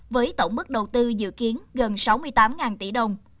với tổng mức đầu tư dự kiến gần sáu mươi tám tỷ đồng